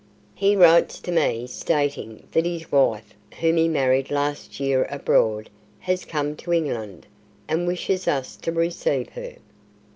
"He writes to me stating that his wife, whom he married last year abroad, has come to England, and wishes us to receive her."